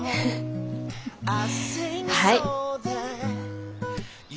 はい。